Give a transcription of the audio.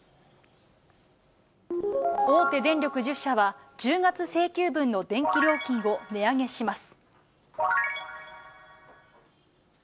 大手電力１０社は、１０月請求分の電気料金を値上げします。